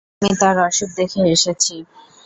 আমি তাঁর অসুখ দেখে এসেছি।